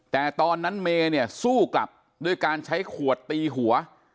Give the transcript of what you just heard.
แต่ตอนนั้นเมย์เนี่ยสู้กลับด้วยการใช้ขวดตีหัว